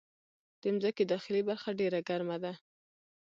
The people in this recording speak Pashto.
د مځکې داخلي برخه ډېره ګرمه ده.